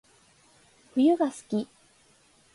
冬が好き